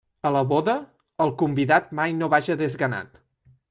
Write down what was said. A la boda el convidat mai no vaja desganat.